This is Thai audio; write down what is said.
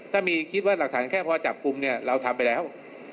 ถ้ามีคิดว่าหลักฐานแค่พอจับกลุ่มเนี่ยเราทำไปแล้ว